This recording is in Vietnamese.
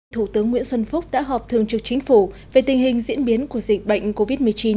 thủ tướng nguyễn xuân phúc đã họp thường trực chính phủ về tình hình diễn biến của dịch bệnh covid một mươi chín